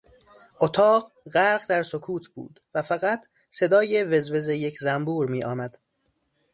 اتاق غرق در سکوت بود و فقط صدای وز وز یک زنبور میآمد.